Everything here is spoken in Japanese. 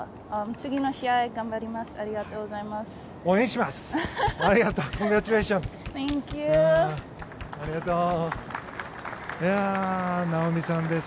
次の試合頑張ります。